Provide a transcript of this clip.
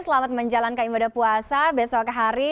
selamat menjalankan ibadah puasa besok hari